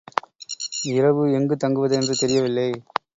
இரவு எங்கு தங்குவது என்று தெரியவில்லை.